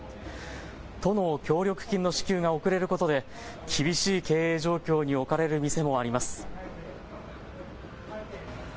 都の協力金の支給が遅れることで厳しい経営状況に置かれる店もあります。